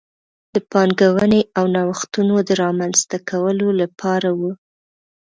د پانګونې او نوښتونو د رامنځته کولو لپاره و.